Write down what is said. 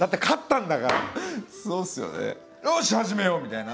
よし始めよう！みたいな。